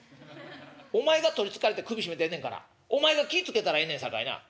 お前が取りつかれて首絞めてんねんからお前が気ぃ付けたらええねんさかいな」。